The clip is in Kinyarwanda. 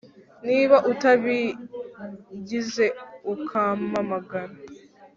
niba utabigize ukampamagara